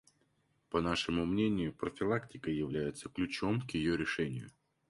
По нашему мнению, профилактика является ключом к ее решению.